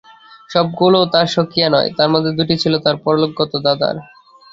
সবগুলি তাঁর স্বকীয়া নয়, তাঁর মধ্যে দুটি ছিল তাঁর পরলোকগত দাদার।